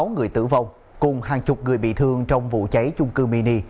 năm mươi sáu người tử vong cùng hàng chục người bị thương trong vụ cháy chung cư mini